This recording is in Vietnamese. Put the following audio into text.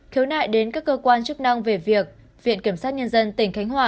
khiếu nại đến các cơ quan chức năng về việc viện kiểm sát nhân dân tỉnh khánh hòa